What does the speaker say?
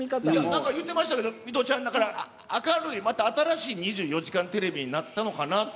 なんか言ってましたけど、水卜ちゃん、だから、明るい、また新しい２４時間テレビになったのかなって。